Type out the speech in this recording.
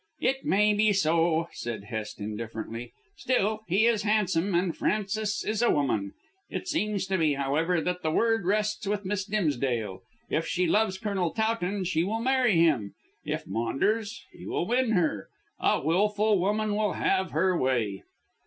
"It may be so," said Hest indifferently. "Still, he is handsome, and Frances is a woman. It seems to me, however, that the word rests with Miss Dimsdale. If she loves Colonel Towton she will marry him, if Maunders, he will win her. A wilful woman will have her way."